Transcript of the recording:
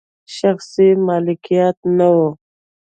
شخصي مالکیت نه و.